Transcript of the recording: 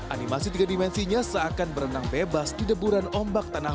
animasi tiga dimensinya seakan berenang bebas di deburan ombak tanah